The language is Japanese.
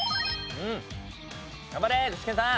頑張れ具志堅さん。